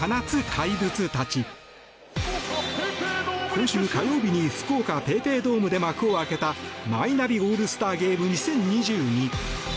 今週火曜日に福岡ＰａｙＰａｙドームで幕を開けたマイナビオールスターゲーム２０２２。